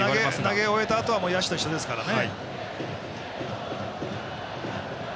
投げ終えたあとは野手と一緒ですからね。